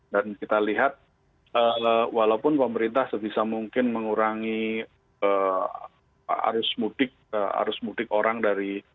dan kita lihat walaupun pemerintah sebisa mungkin mengurangi arus mudik orang dari